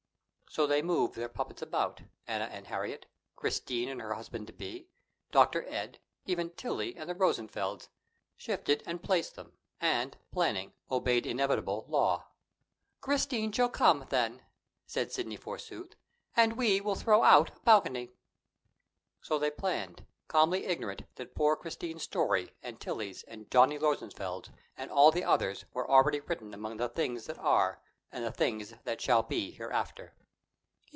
So they moved their puppets about, Anna and Harriet, Christine and her husband to be, Dr. Ed, even Tillie and the Rosenfelds; shifted and placed them, and, planning, obeyed inevitable law. "Christine shall come, then," said Sidney forsooth, "and we will throw out a balcony." So they planned, calmly ignorant that poor Christine's story and Tillie's and Johnny Rosenfeld's and all the others' were already written among the things that are, and the things that shall be hereafter.